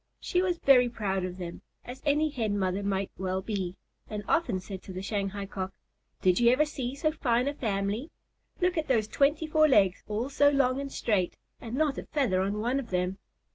She was very proud of them, as any Hen mother might well be, and often said to the Shanghai Cock, "Did you ever see so fine a family? Look at those twenty four legs, all so long and straight, and not a feather on one of them."